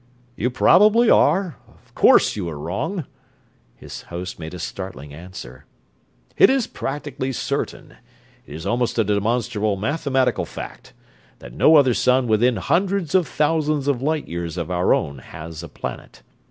"You probably are of course you are wrong," his host made a startling answer. "It is practically certain it is almost a demonstrable mathematical fact that no other sun within hundreds of thousands of light years of our own has a planet.